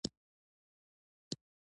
دکلي نوور مشران هم ورسره وو.